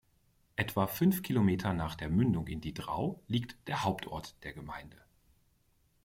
Etwa fünf Kilometer nach der Mündung in die Drau liegt der Hauptort der Gemeinde.